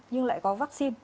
nhưng lại có vaccine